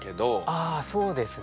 ああそうですね。